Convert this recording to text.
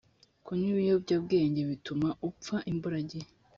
kunywa ibiyobyabwenge bituma upfa imburagihe